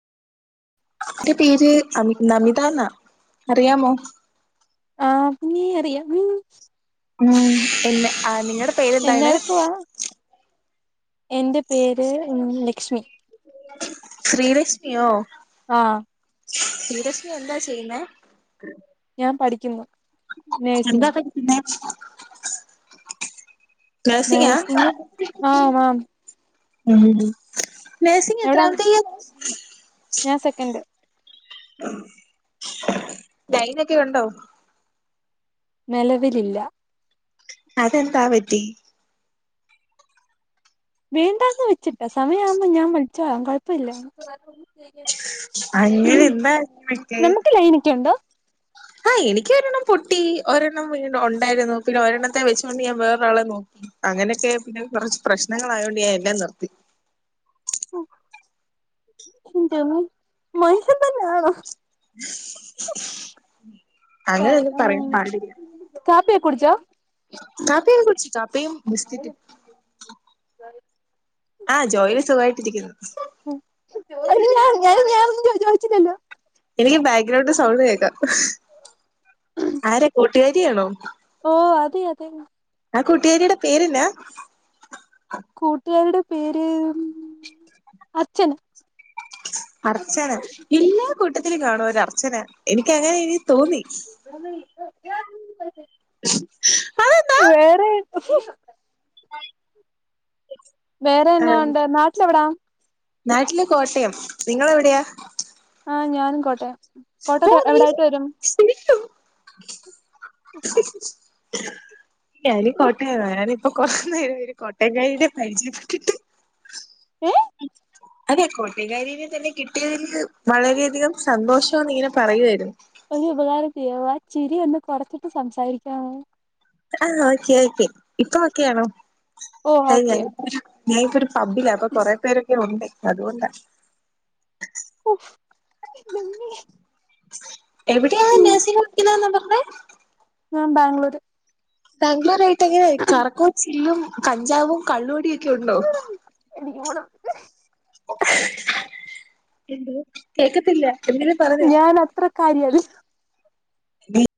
എന്റെ പേര് അമി നമിത ന്നാ അറിയാമോ ആമീ അറിയ യെന്ന? ഉം [unintelligible] എന്ന ടുക്കുവാ? എന്റെ പേര് മ് ലക്ഷ്മി. ശ്രീലക്ഷ്മിയോ.? ആഹ് ശ്രീരശ്മി എന്താ ചെയ്യ്ന്നെ ഞാം പഠിക്കുന്നു. എന്താ നേഴ്സിംഗ് പഠിക്കുന്നെ ട്രേസിങ്ങാ നേഴ്സിംഗ് ആഹ് മാം [unintelligible] നേഴ്സിങ് എവിടാ എത്രാമത്തെ യിയാറാ ഞാൻ സെക്കന്റ്. ലൈനൊക്കെ ഉണ്ടോ നെലവിലില്ല. അതെന്താ പറ്റി വേണ്ടാന്ന് വച്ചിട്ടാ സമയം ആവുമ്പോ ഞാൻ കഴിച്ചോളാം കൊഴപ്പയില്ല. അങ്ങനെ [unintelligible] എന്താ നമ്മക്ക് ലൈനൊക്കെയുണ്ടോ ആഹ് എനിക്ക് ഒരെണ്ണം പൊട്ടി ഒരെണ്ണം വീണ്ടു ഒണ്ടായിരുന്നു. പിന്നെ ഒരെണ്ണത്തെ വെച്ചുകൊണ്ട് ഞാൻ വേറൊരാളെ നോക്കി. അങ്ങനെക്കെ പിന്നെ കൊറച്ച് പ്രശ്നങ്ങാളായോണ്ട് ഞാൻ എല്ലാം നിർത്തി ഹൊ എന്റമ്മേ മൻഷ്യൻ തന്നെണോ അങ്ങനെ ഒന്നും പറയാൻ പാടില്ല കാപ്പിയൊക്കുടിച്ചോ കാപ്പിയൊക്കെ കുട്ച്ച് കാപ്പിയും ബിസ്കറ്റും ആഹ് ജോയി സുഖായിട്ടിരിക്കുന്നു അല്ല ഞാൻ ഞാനൊന്നും വിചാരിച്ചതല്ല എനിക്ക് ബാക്ഗ്രൗണ്ട് സൗണ്ട് കേക്കാം ആരാ കൂട്ടുകാരിയാണോ ഓഹ് അതെ യതെ ന്നെ ആഹ് കുട്ടുക്കാരിയുടെ പേരെന്നാ കൂട്ടുകാരിയുടെ പേര് അർച്ചന അർച്ചന എല്ലാ കൂട്ടത്തിലും കാണും ഒരു അർച്ചന എനിക്ക് അങ്ങനെ ഇനി തോന്നി [unintelligible] [inaudible] വേറെ [unintelligible] [inaudible] വേറെന്നാ ആഹ് ഒണ്ട് നാട്ടിലെവിടാ നാട്ടില് കോട്ടയം നിങ്ങളെവിടെയാ ആഹ് ഞാനും കോട്ടയം കോട്ടയത്ത് ഓഹ് റിയലി എവിടായിട്ട് ശരിക്കും [inaudible] [unintelligible] ഞാനും കോട്ടയവാ ഞാനിപ്പോ കൊർച്ച് നേരായി ഒരു കോട്ടയം കാരിനെ പരിചയപ്പെട്ടിട്ട് ഏഹ് അതെ കോട്ടയം കാരിനെ തന്നെ കിട്ടിയതെനിക് വളരെധികം സന്തോഷം ന്ന് ഇങ്ങനെ പറയുയായിരുന്നു ഒരുപകാരം ചെയ്യാവോ ആ ചിരി ഒന്ന് കൊറച്ചിട്ട് സംസാരിക്കാവോ ആഹ് ഓക്കെ ഓക്കെ ഇപ്പ ഒക്കെയാണോ ഓ ഓക്കെ [unintelligible] ഞായിപ്പൊരു പബ്ബിലാ അപ്പൊ കൊറേ പേരൊക്കെ ഒണ്ട് അത്കൊണ്ടാ ഓഹ് എന്റമ്മേ എവിടെയാ നേയ്സിംഗ് പഠിപ്പിക്കുന്നെ ന്നാ പറഞ്ഞെ ഞാം ബാംഗ്ളൂര് ഭാംഗ്ലരായിട്ട് ഒക്കെ കറക്കവും ചില്ലും കഞ്ചാവും കള്ളുടിയൊക്കെയുണ്ടോ [unintelligible] ഓണം [unintelligible] എന്തോ കേക്കത്തല്ല എങ്ങനെ ഞാനത്രക്കാരിയല്ല ടി [unintelligible]